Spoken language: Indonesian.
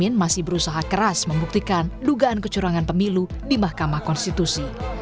amin masih berusaha keras membuktikan dugaan kecurangan pemilu di mahkamah konstitusi